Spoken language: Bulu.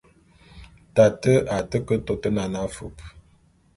Tate a té ke tôt nane afúp.